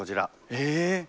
え！